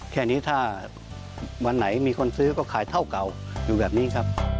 แค่นี้ถ้าวันไหนมีคนซื้อก็ขายเท่าเก่าอยู่แบบนี้ครับ